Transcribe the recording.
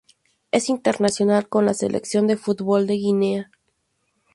Es internacional con la selección de fútbol de Guinea.